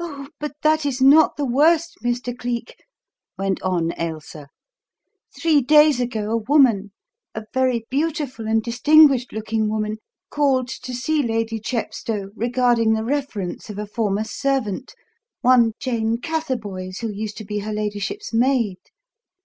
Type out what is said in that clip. "Oh! but that is not the worst, Mr. Cleek," went on Ailsa. "Three days ago a woman a very beautiful and distinguished looking woman called to see Lady Chepstow regarding the reference of a former servant, one Jane Catherboys, who used to be her ladyship's maid.